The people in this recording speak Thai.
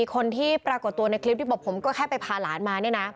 คนที่ปรากฏตัวในคลิปที่บอกผมก็แค่ไปพาหลานมาเนี่ยนะ